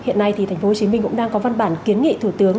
hiện nay thì thành phố hồ chí minh cũng đang có văn bản kiến nghị thủ tướng